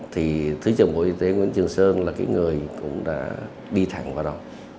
thì thứ trưởng bộ y tế nguyễn trường sơn là cái người cũng đã đi thẳng vào đó